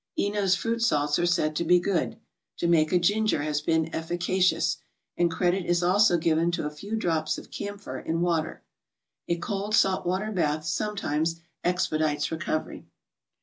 Eno's fruit salts are said to be good. Jamaica ginger has been efficacious, and credit is also given to a few drops of camphor in water. A cold salt water bath sometimes expedites recovery.